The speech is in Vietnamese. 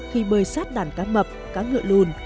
khi bơi sát đàn cá mập cá ngựa lùn